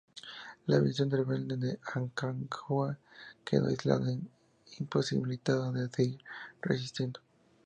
La división rebelde de "Aconcagua" quedó aislada, imposibilitada de seguir resistiendo.